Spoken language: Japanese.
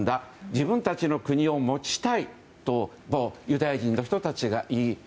自分たちの国を持ちたいとユダヤ人の人たちが言う。